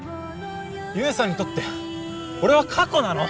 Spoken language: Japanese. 悠さんにとって俺は過去なの？